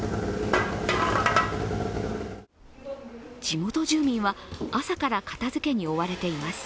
地元住民は朝から片づけに追われています。